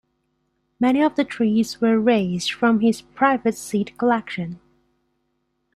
Many of the trees were raised from his private seed collection.